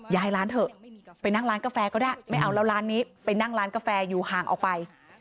ย้ายร้านเถอะไปนั่งร้านกาแฟก็ได้ไม่เอาแล้วร้านนี้ไปนั่งร้านกาแฟอยู่ห่างออกไป